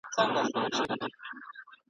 او حتی د استقلال د ګټونکي !.